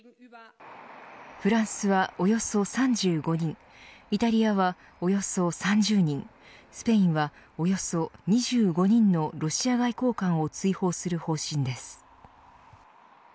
フランスはおよそ３５人イタリアはおよそ３０人スペインはおよそ２５人のロシア外交官を追放する方針です。